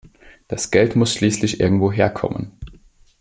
Das Geld muss schließlich irgendwo herkommen.